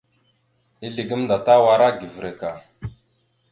Izle gamnda Tawara givirek a.